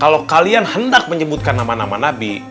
kalau kalian hendak menyebutkan nama nama nabi